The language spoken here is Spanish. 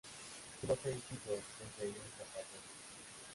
Tuvo seis hijos, dos de ellos sacerdotes.